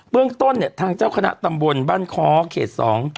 เบื้องต้นเนี้ยทางเจ้าคณะตำบลบ้านคเคดสอง